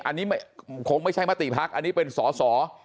อันนี้คงไม่ใช่มติพักอันนี้เป็นสอสอ